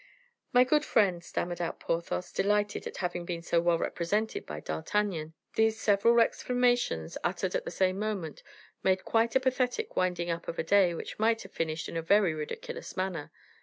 "My good friend," stammered out Porthos, delighted at having been so well represented by D'Artagnan. These several exclamations, uttered at the same moment, made quite a pathetic winding up of a day which might have finished in a very ridiculous manner.